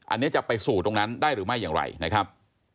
อันนี้จะไปสู่ตรงนั้นได้หรือไม่อย่างไรนะครับ